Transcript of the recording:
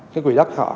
cái quỹ đất họ